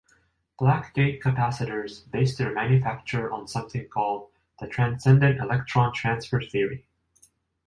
Black Gate capacitors base their manufacture on something called 'The Transcendent Electron Transfer' theory.